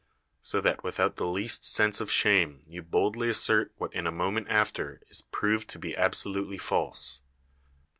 So that without the least sense of shame you boldly assert what in a moment after is proved to be absolutely false.